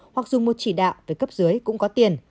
hoặc dùng một chỉ đạo về cấp dưới cũng có tiền